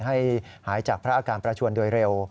ให้หายจากพระอาการประชวนโดยเร็ว